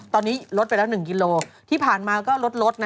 ตอนนี้ลดไปแล้ว๑กิโลที่ผ่านมาก็ลดลดนะ